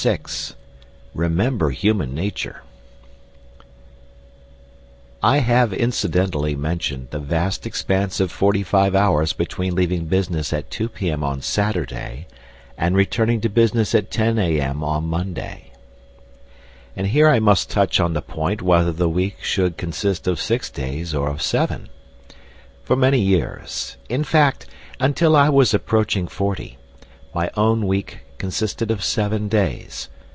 VI REMEMBER HUMAN NATURE I have incidentally mentioned the vast expanse of forty four hours between leaving business at 2 p.m. on Saturday and returning to business at 10 a.m. on Monday. And here I must touch on the point whether the week should consist of six days or of seven. For many years in fact, until I was approaching forty my own week consisted of seven days.